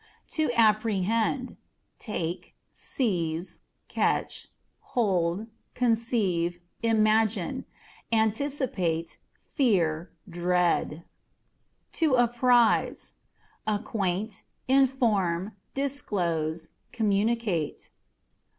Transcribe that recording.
To Apprehend â€" take, seize, catch, hold, conceive, imagine ; anticipate, fear, dread. To Apprise: â€" acquaint, inform, disclose, communicate.